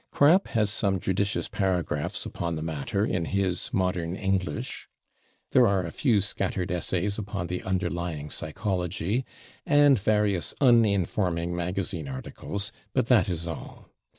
Krapp has some judicious paragraphs upon the matter in his "Modern English," there are a few scattered essays upon the underlying psychology, and various uninforming magazine articles, but that is all.